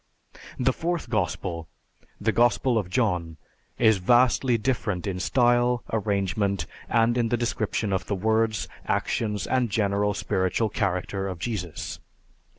The Fourth Gospel, the Gospel of John, is vastly different in style, arrangement, and in the description of the words, actions, and general spiritual character of Jesus.